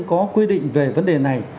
có quy định về vấn đề này